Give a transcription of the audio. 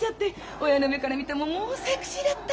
親の目から見てももうセクシーだった！